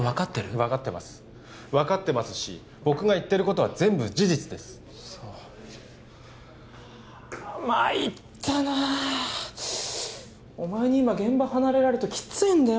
分かってます分かってますし僕が言ってることは全部事実ですそうまいったなお前に今現場離れられるときついんだよ